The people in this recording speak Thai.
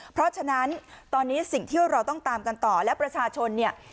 เพราะฉะนั้นตอนนี้สิ่งที่เราต้องตามกันต่อและประชาชนเนี่ย